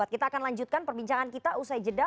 kita akan lanjutkan perbincangan kita usai jeda